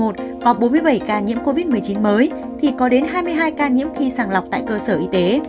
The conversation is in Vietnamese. có bốn mươi bảy ca nhiễm covid một mươi chín mới thì có đến hai mươi hai ca nhiễm khi sàng lọc tại cơ sở y tế